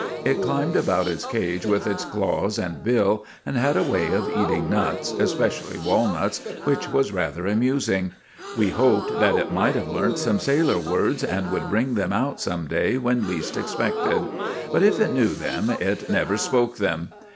It climbed about its cage with its claws and bill, and had a way of eating nuts, especially walnuts, which was rather amusing. We hoped that it might have learnt some sailor words and would bring them out some day when least expected: but if it knew them it never spoke them.